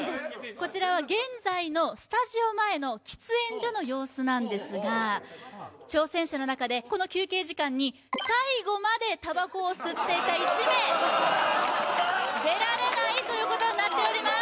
こちらは現在のスタジオ前の喫煙所の様子なんですが挑戦者のなかでこの休憩時間に最後までタバコを吸っていた１名出られないということになっております